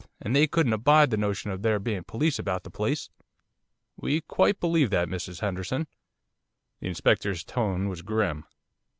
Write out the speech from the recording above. and they couldn't abide the notion of there being police about the place.' 'We quite believe that, Mrs Henderson.' The Inspector's tone was grim.